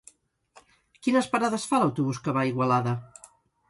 Quines parades fa l'autobús que va a Igualada?